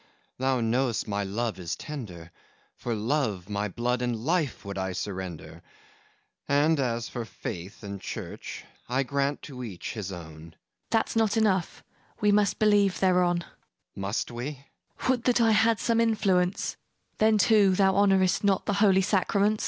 Thou know'st my love is tender; For love, my blood and life would I surrender, And as for Faith and Church, I grant to each his own. MARGARET That's not enough: we must believe thereon. FAUST Must we? MARGARET Would that I had some influence! Then, too, thou honorest not the Holy Sacraments.